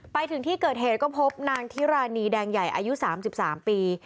ไปถึงที่เกิดเหตุก็พบนางทิรานีแดงใหญ่อายุ๓๓ปี